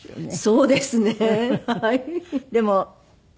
そうですね。